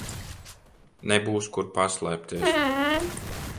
Nebūs kur paslēpties.